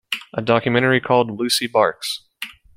A documentary called Lucy Barks!